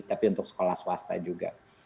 tapi untuk sekolah swasta juga